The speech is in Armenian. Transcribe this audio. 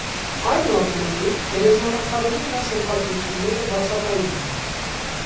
Այնուամենայնիվ, գերեզմանաքարերի վրա սրբագրությունները բացակայում են։